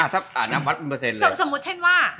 สมมุติเช่นว่า